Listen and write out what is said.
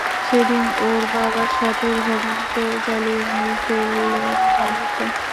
সেদিন ওর বাবার সাথে ভবানীকেও জ্বালিয়ে মেরে ফেললে ভাল হতো।